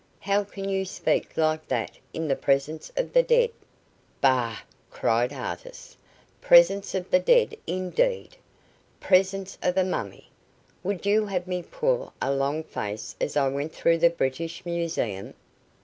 "How can you speak like that in the presence of the dead?" "Bah!" cried Artis. "Presence of the dead, indeed! Presence of a mummy. Would you have me pull a long face as I went through the British Museum?"